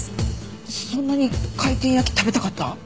そんなに回転焼き食べたかった？